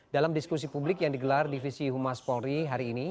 dalam diskusi publik yang digelar divisi humas polri hari ini